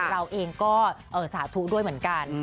เราเองก็สาธุด้วยเหมือนกัน